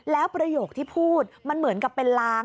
แล้วประโยคที่พูดมันเหมือนกับเป็นล้าง